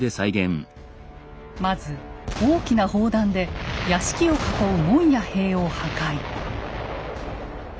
まず大きな砲弾で屋敷を囲う門や塀を破壊。